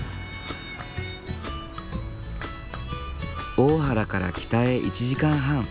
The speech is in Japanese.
大原から北へ１時間半。